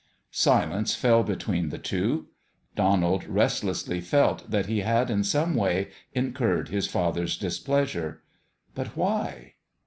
Silence fell between the two. Bonald rest lessly felt that he had in some way incurred his father's displeasure. But why